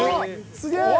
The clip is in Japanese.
すげえ！